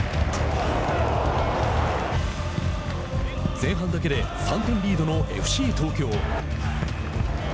前半だけで３点リードのＦＣ東京。